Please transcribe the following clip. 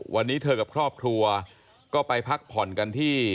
วันนี้เธอกับครอบครัวก็ไปพักผ่อนกันที่